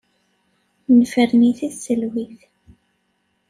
Nefren-it i tselwit.